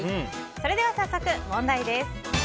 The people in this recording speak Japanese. それでは早速、問題です。